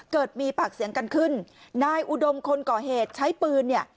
เกิดมีปากเสียงกันขึ้นนายอุดมคนก่อเหตุใช้ปืนเนี่ย